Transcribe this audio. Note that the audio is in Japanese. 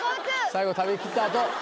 最後食べきったあと！